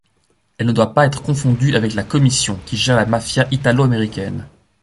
Elle ne doit pas être confondue avec la Commission, qui gère la mafia italo-américaine.